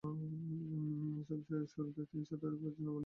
শুরুতে তিনি ছাত্রদের প্রতি নমনীয় ভূমিকা গ্রহণ করেন।